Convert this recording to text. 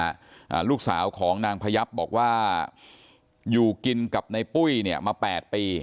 อ่าลูกสาวของนางพยับบอกว่าอยู่กินกับในปุ้ยเนี่ยมาแปดปี